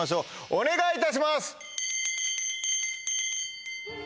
お願いいたします！